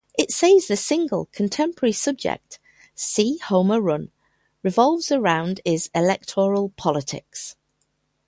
It says the "single contemporary subject" "See Homer Run" revolves around is "electoral politics".